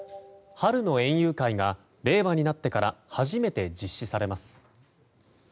春の園遊会が令和になってから初めて実施されます。